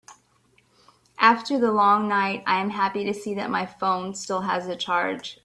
After the long night, I am happy to see that my phone still has a charge.